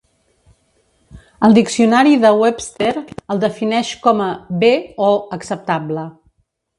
El Diccionari de Webster el defineix com a "bé" o "acceptable".